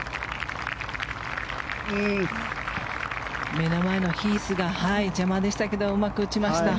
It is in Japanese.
目の前のヒースが邪魔でしたがうまく打ちました。